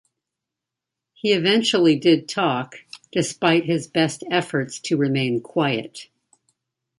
He eventually did talk, despite his best efforts to remain quiet.